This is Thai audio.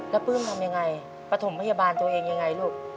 แล้วปลื้มทำยังไงปฐมพยาบาลตัวเองยังไงลูก